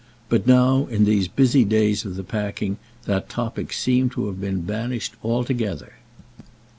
But now, in these busy days of the packing, that topic seemed to have been banished altogether.